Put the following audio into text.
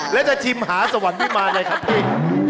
แล้วจะชิมหาสวรรค์ที่มาอะไรครับพี่